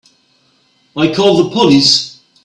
I'll call the police.